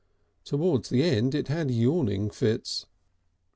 Towards the end it had yawning fits.